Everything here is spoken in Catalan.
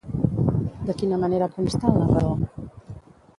De quina manera va contestar el narrador?